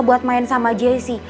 buat main sama jesse